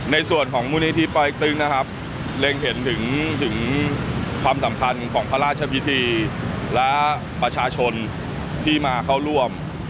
ในส่วนของมูลนิธีปริกตึงนะครับเรียงเห็นถึงความสำคัญของพระราชวิทธิและประชาชนที่มาเข้าร่วม